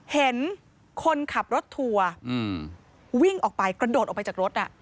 เห็นคนขับรถทัวร์วิ่งออกไปกระโดดออกไปจากรถ